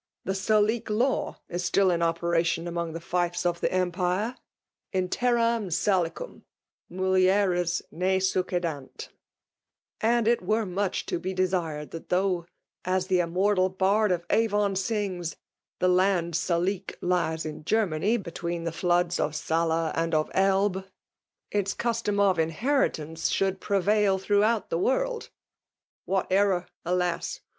The Sahquc law is still in operation among the fiefs of the empire, — {in terrain Salicam mtdieres ne suceedant,) and it were much to be desired that though, as the immortal bard of AvofSi —the laud Seliqiie lies ia Genmny, Between the floods of SaU and of Elbe, i 94 FEMAUS DOMINATION. its cofitom of inheritance Bhould prevail throu^ out the world. What error, alas